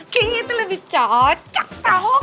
kayaknya itu lebih cocok tau